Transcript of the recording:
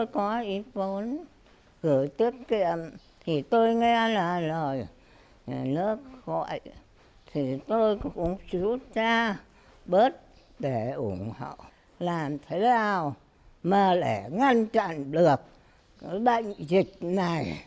đảng đã rút ngay số tiền tiết kiệm một mươi triệu đồng của mình để ủng hộ các công tác phòng chống dịch bệnh